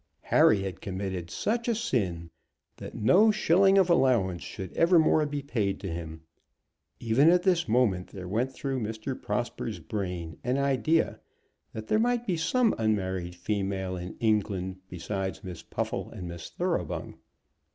Harry had committed such a sin that no shilling of allowance should evermore be paid to him. Even at this moment there went through Mr. Prosper's brain an idea that there might be some unmarried female in England besides Miss Puffle and Miss Thoroughbung.